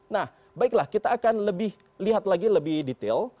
nah baiklah kita akan lebih lihat lagi lebih detail